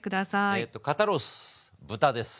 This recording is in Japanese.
えっと肩ロース豚です。